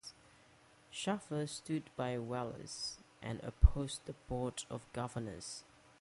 Schaefer stood by Welles and opposed the board of governors.